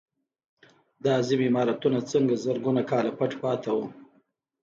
دا عظیم عمارتونه څنګه زرګونه کاله پټ پاتې وو.